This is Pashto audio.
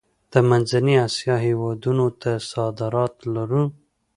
د منځنۍ اسیا هیوادونو ته صادرات لرو؟